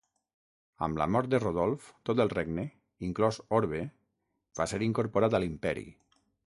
Amb la mort de Rodolf, tot el regne, inclòs Orbe, va ser incorporat a l'imperi.